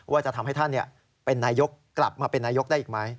ว่าจะทำให้ท่านเป็นนายกกลับมาเป็นนายกได้อีกไหม